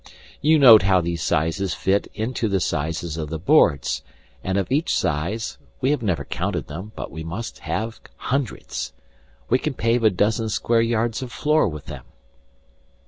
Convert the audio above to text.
You note how these sizes fit into the sizes of the boards, and of each size we have never counted them, but we must have hundreds. We can pave a dozen square yards of floor with them.